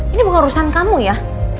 ini bukan urusan kamu ya